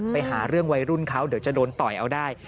ไปหาเรื่องวัยรุ่นเขาเดี๋ยวจะโดนต่อยเอาได้